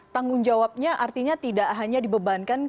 tanggung jawabnya artinya tidak hanya dibebankan